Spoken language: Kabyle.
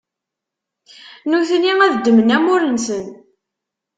nutni ad ddmen amur-nsen.